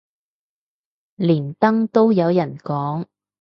連登都有人講